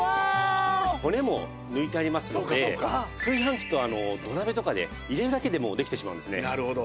骨も抜いてありますので炊飯器と土鍋とかで入れるだけでもうできてしまうんですね。